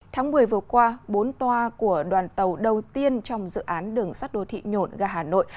tháng một mươi vừa qua bốn toa của đoàn tàu đầu tiên trong dự án đường sắt đô thị nhổn ga hà nội